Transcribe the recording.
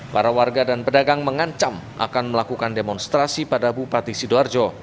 para warga dan pedagang mengancam akan melakukan demonstrasi pada bupati sidoarjo